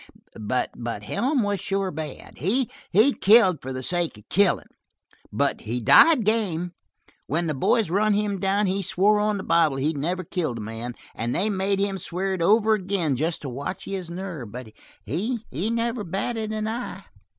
But Helm was sure bad. He killed for the sake of killin', but he died game. When the boys run him down he swore on the bible that he's never killed a man, and they made him swear it over again just to watch his nerve; but he never batted an eye."